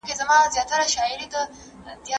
انجلۍ